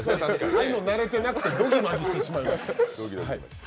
ああいうのなれてなくてドキマギしてしまいました。